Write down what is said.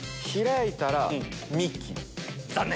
残念！